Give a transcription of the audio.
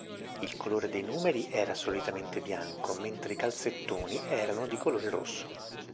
Il colore dei numeri era solitamente bianco mentre i calzettoni erano di colore rosso.